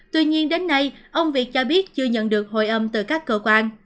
tuy nhiên đến nay ông việt cho biết chưa nhận được hồi âm từ các cơ quan